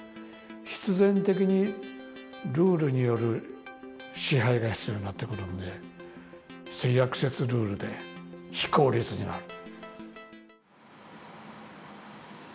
必然的にルールによる支配が必要になってくるんで性悪説ルールで非効率になる